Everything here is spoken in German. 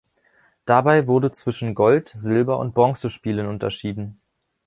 Dabei wurde zwischen Gold-, Silber- und Bronze-Spielen unterschieden.